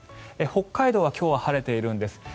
北海道は今日は晴れているんです。